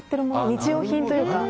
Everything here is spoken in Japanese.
日用品というか。